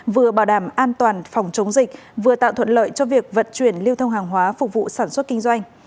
vừa bảo đảm an toàn phòng chống dịch vừa tạo thuận lợi cho việc vận chuyển lưu thông hàng hóa phục vụ sản xuất kinh doanh